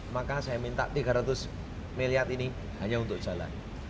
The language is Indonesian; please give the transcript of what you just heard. maka saya minta tiga ratus miliar ini hanya untuk jalan